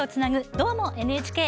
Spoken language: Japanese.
「どーも、ＮＨＫ」。